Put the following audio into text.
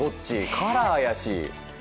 カラーやし。